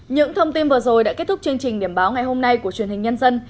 những thông tin vừa rồi đã kết thúc chương trình điểm báo ngày hôm nay của truyền hình nhân dân